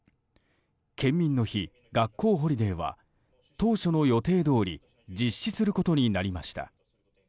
県民の日学校ホリデーは当初の予定どおり実施することになりました。